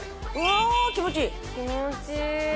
気持ちいい